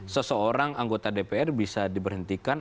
seseorang anggota dpr bisa diberhentikan